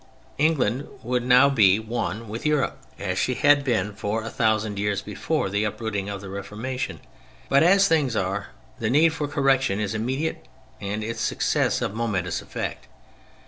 England would now be one with Europe as she had been for a thousand years before the uprooting of the Reformation. But, as things are, the need for correction is immediate and its success of momentous effect.